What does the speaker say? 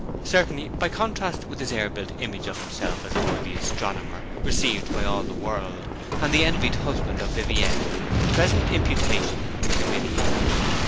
Certainly, by contrast with his air built image of himself as a worthy astronomer, received by all the world, and the envied husband of Viviette, the present imputation was humiliating.